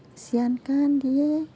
kesian kan dia